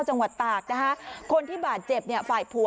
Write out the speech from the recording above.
จังหวัดตากนะคะคนที่บาดเจ็บเนี่ยฝ่ายผัว